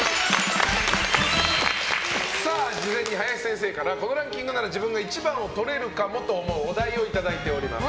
事前に林先生からこのランキングなら自分が１番をとれるかもと思うお題をいただいております。